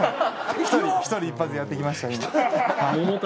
１人１発やってきました。